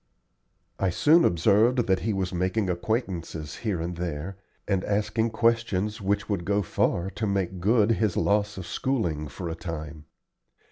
I soon observed that he was making acquaintances here and there, and asking questions which would go far to make good his loss of schooling for a time.